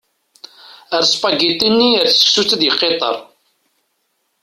Err spagiti-nni ar tseksut ad yeqqiṭṭer.